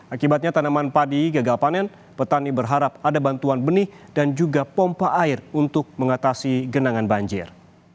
akibatnya tanaman padi gagal panen petani berharap ada bantuan benih dan juga pompa air untuk mengatasi genangan banjir